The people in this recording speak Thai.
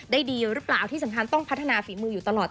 ดีหรือเปล่าที่สำคัญต้องพัฒนาฝีมืออยู่ตลอด